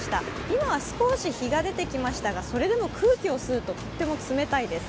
今は少し日が出てきましたがそれでも空気を吸うととても冷たいです。